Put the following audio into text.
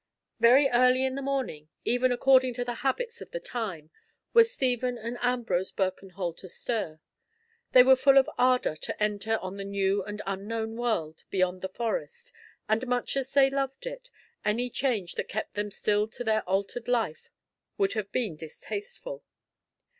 Very early in the morning, even according to the habits of the time, were Stephen and Ambrose Birkenholt astir. They were full of ardour to enter on the new and unknown world beyond the Forest, and much as they loved it, any change that kept them still to their altered life would have been distasteful.